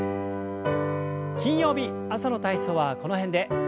金曜日朝の体操はこの辺で。